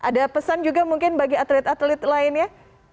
ada pesan juga mungkin bagi atlet atlet lainnya